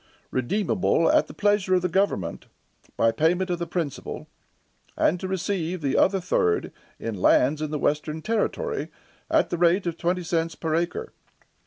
redeemable at the pleasure of the government, by payment of the principal, and to receive the other third in lands in the western territory, at the rate of twenty cents per acre.